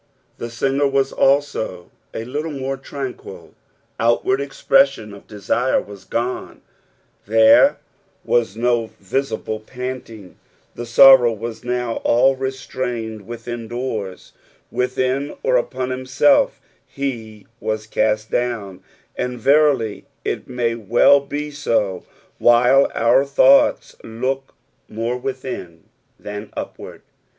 The singer was also a little mure tranquil. Outward expresaioo of desire was gone ; there wu no P8A.LH THB FOBTT SEOOND. 303 visible panting ; the sorrow was no^ ell reatrsined withio dcwrs. Within or upon himself he was caat down ; and, verily, it ma; well be bo, while our thoughts look more withiD thaQ upward.